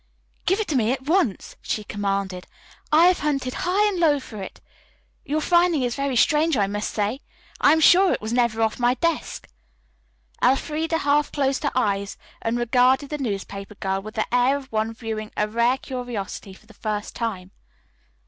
"Give it to me at once," she commanded. "I have hunted high and low for it. Your finding it is very strange, I must say. I am sure it was never off my desk." Elfreda half closed her eyes and regarded the newspaper girl with the air of one viewing a rare curiosity for the first time.